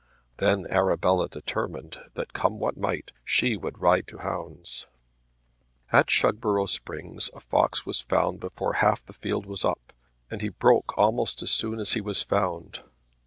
Then Arabella determined that come what might she would ride to hounds. At Shugborough Springs a fox was found before half the field was up, and he broke almost as soon as he was found.